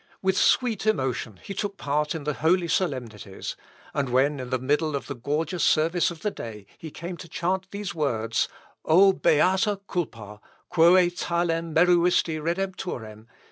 With sweet emotion he took part in the holy solemnities, and when in the middle of the gorgeous service of the day, he came to chant these words: "_O beata culpa, quæ talem meruisti Redemptorem!